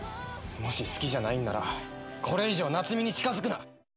もし好きじゃないんならこれ以上、夏海に近づくな！